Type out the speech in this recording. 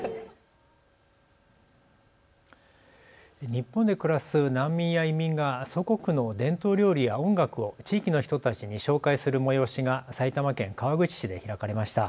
日本で暮らす難民や移民が祖国の伝統料理や音楽を地域の人たちに紹介する催しが埼玉県川口市で開かれました。